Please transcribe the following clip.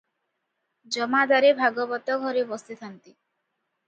ଜମାଦାରେ ଭାଗବତ ଘରେ ବସିଥାନ୍ତି ।